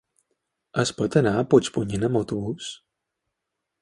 Es pot anar a Puigpunyent amb autobús?